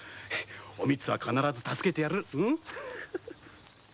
おみつは必ず助けてやる。